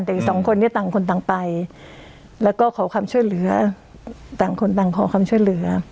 แต่อีกสองคนนี้ต่างคนต่างไปแล้วก็ขอความช่วยเหลือต่างคนต่างขอความช่วยเหลือ